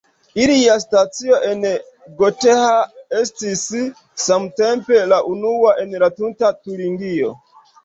Ilia stacio en Gotha estis samtempe la unua en tuta Turingio.